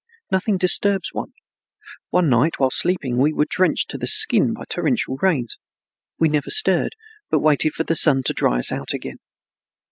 Nothing disturbs one. One night, while sleeping, we were drenched to the skin by torrential rains. We never stirred, but waited for the sun to dry us out again.